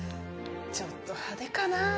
ちょっと派手かな？